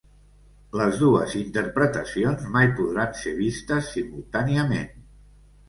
Les dues interpretacions mai podran ser vistes simultàniament.